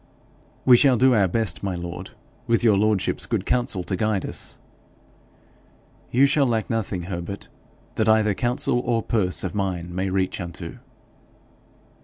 'We shall do our best, my lord with your lordship's good counsel to guide us.' 'You shall lack nothing, Herbert, that either counsel or purse of mine may reach unto.'